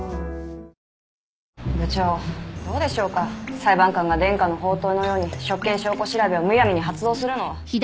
裁判官が伝家の宝刀のように職権証拠調べをむやみに発動するのは。